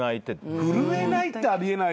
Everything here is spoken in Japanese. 震えないってあり得ないよね。